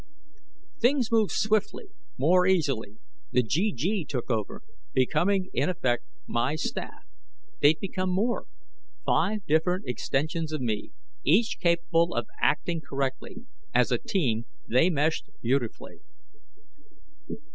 Things moved swiftly, more easily. The GG took over, becoming, in effect, my staff. They'd become more: five different extensions of me, each capable of acting correctly. As a team, they meshed beautifully.